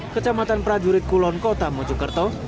kecamatan prajurit kulon kota mojokerto